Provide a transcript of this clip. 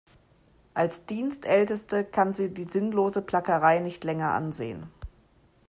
Als Dienstälteste kann sie die sinnlose Plackerei nicht länger ansehen.